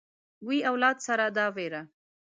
وي اولاد سره دا وېره